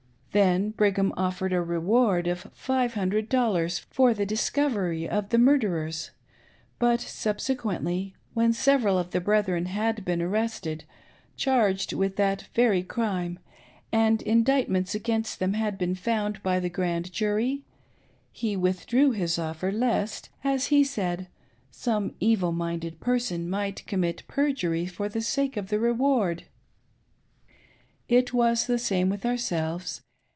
Then Brigham offered a reward of five hundred dollars for the discovery of the murderers ; but subsequently, when several of the brethren had been arrested, charged with that very crime, and indict ments against them had been foynd by the Grand Jury, he withdrew his offer lest, as he said, some evil minded person might commit perjury for the sake of the reward ! It was the same with ourselves.